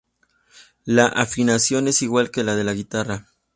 La afinación es igual que la de la guitarra.